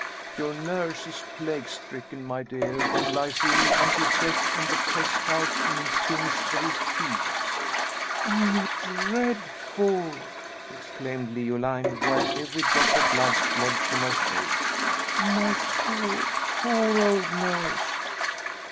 Your nurse is plague stricken, my dear, and lies ill unto death in the pest house in Finsbury Fields." "Oh, dreadful!" exclaimed Leoline, while every drop of blood fled from her face. "My poor, poor old nurse!"